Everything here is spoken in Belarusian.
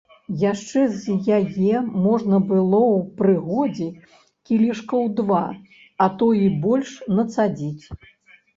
Яшчэ з яе можна было ў прыгодзе кілішкаў два, а то й больш нацадзіць.